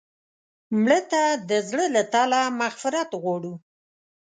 مړه ته د زړه له تله مغفرت غواړو